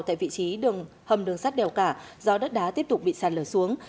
tại vị trí hầm đường sắt đèo cả do đất đá tiếp tục bị sạt lở xuống